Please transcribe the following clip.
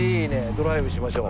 ドライブしましょう。